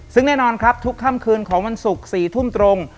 ซึ่งแน่นอนครับทุกค่ำคืนของวันศุกร์๔ทุ่มตรง